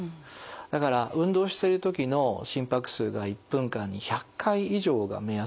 だから運動してる時の心拍数が一分間に１００回以上が目安ですね。